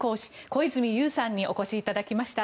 小泉悠さんにお越しいただきました。